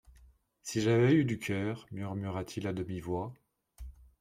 Si j’avais eu du cœur, murmura-t-il à demi-voix